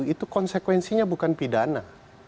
itu konsekuensinya bukan pidana